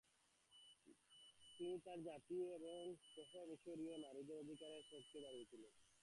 তিনি তার জাতি এবং সহ মিশরীয় নারীদের অধিকারের পক্ষে দাঁড়িয়েছিলেন।